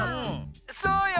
そうよ。